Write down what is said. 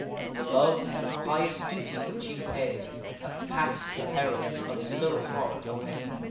The love and pious duty which you pay Have pass'd the perils of so hard a way.